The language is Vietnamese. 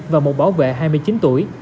và một bảo vệ hai mươi chín tuổi